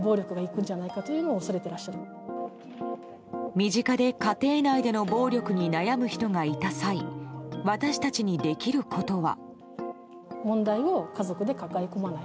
身近で家庭内での暴力に悩む人がいた際私たちにできることは。